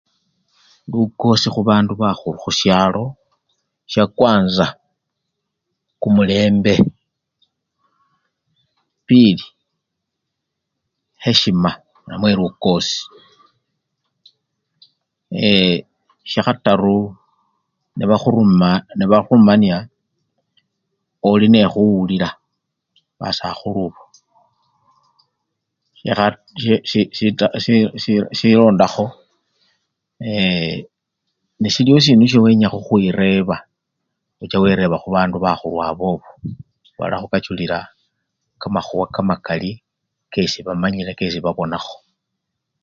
Lukosi khubandu bakhulu khushalo, shakwanza kumulembe, pili heshima namwe lukosi ee syakhataru nebakhuruma-nebakhurumanya olinekhuwulila basakhulubo, silondakho eee newaliwo sisindu shesi wenya khureba, ucha wereba khubandu bakhulu abobo balakhukachulila kamakhuwa kamakali kesi bamanyile kesi babonakho.